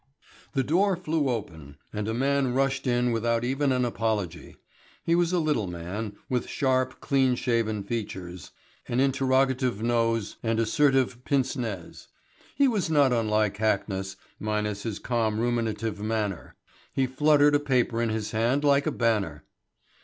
The door flew open and a man rushed in without even an apology. He was a little man, with sharp, clean shaven features, an interrogative nose and assertive pince nez. He was not unlike Hackness, minus his calm ruminative manner. He fluttered a paper in his hand like a banner.